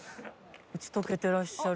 打ち解けてらっしゃる。